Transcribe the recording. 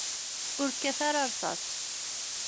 Ur kkat ara ṛṛṣaṣ!